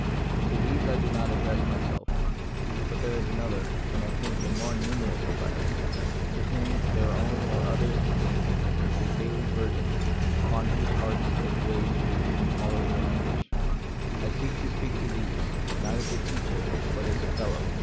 To these I do not address myself ; but there is another, and, I think, a more numerous class, to whom their own or others' pain is a daily burden, upon whose hearts it weighs with an intolerable The Mystery of Pain. anguish. I seek to speak to these ; not as a teacher, but as a fellow.